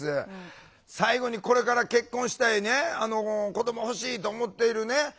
最後にこれから結婚したりね子ども欲しいと思っているね